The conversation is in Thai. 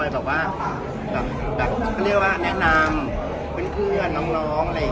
พี่พลอยแบบว่าแนะนำเป็นเพื่อนน้องอะไรอย่างเงี้ย